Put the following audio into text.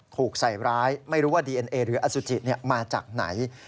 ถูกใส่ร้ายไม่รู้ว่าดีเอ็นเอหรืออสุจิมาจากไหน